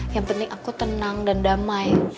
yang penting aku tenang dan damai